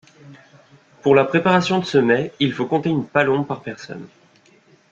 Pour la préparation de ce mets, il faut compter une palombe par personne.